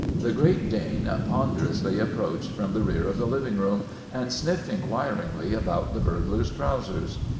The Great Dane ponderously approached from the rear of the living room, and sniffed inquiringly about the burglar's trousers.